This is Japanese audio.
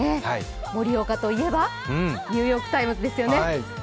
盛岡といえば「ニューヨーク・タイムズ」ですよね。